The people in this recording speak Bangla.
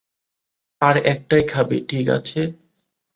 আর একটাই খাবে, ঠিক আছে?